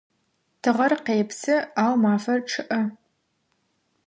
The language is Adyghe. Тыгъэр къепсы, ау мафэр чъыӏэ.